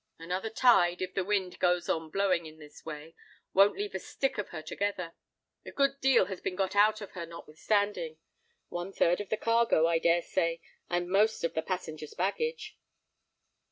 Another tide, if the wind goes on blowing in this way, won't leave a stick of her together. A good deal has been got out of her, notwithstanding: one third of the cargo, I dare say, and most of the passengers' baggage."